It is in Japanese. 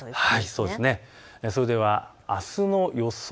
それではあすの予想